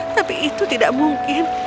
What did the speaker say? tapi itu tidak mungkin